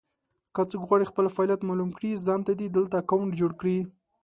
که څوک غواړي خپل فعالیت مالوم کړي ځانته دې دلته اکونټ جوړ کړي.